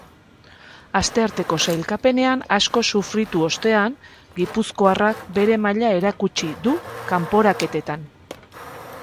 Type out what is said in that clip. Astearteko sailkapenean asko sufritu ostean, gipuzkoarrak bere maila erakutsi du kanporaketetan.